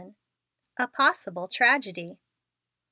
A POSSIBLE TRAGEDY.